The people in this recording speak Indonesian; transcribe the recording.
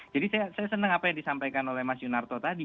jadi saya senang apa yang disampaikan oleh mas yunarto tadi